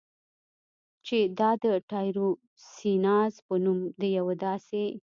چې دا د ټایروسیناز په نوم د یوه داسې